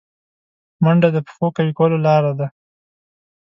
منډه د پښو قوي کولو لاره ده